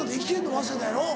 早稲田やろ？